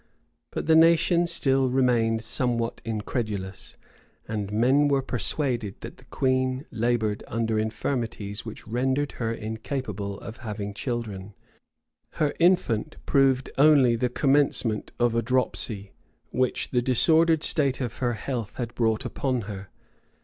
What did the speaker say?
But the nation still remained somewhat incredulous; and men were persuaded that the queen labored under infirmities which rendered her incapable of having children. Her infant proved only the commencement of a dropsy, which the disordered state of her health had brought upon her.